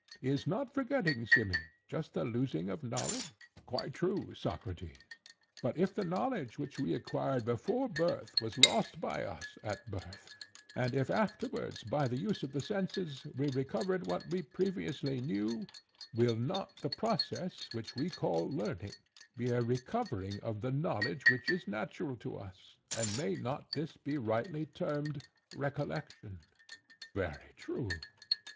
Is not forgetting, Simmias, just the losing of knowledge? Quite true, Socrates. But if the knowledge which we acquired before birth was lost by us at birth, and if afterwards by the use of the senses we recovered what we previously knew, will not the process which we call learning be a recovering of the knowledge which is natural to us, and may not this be rightly termed recollection? Very true.